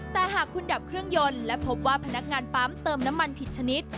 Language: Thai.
แต่หากคุณดับเครื่องยนต์และพบว่าพนักงานปั๊มเติมน้ำมันผิดชนิด